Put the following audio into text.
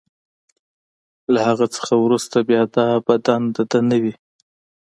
له هغه څخه وروسته بیا دا بدن د ده نه وي.